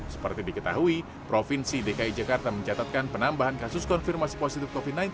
seperti diketahui provinsi dki jakarta mencatatkan penambahan kasus konfirmasi positif covid sembilan belas